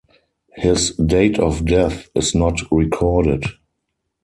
His date of death is not recorded.